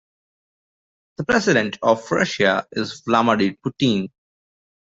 The president of Russia is Vladimir Putin.